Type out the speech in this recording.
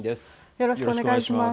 よろしくお願いします。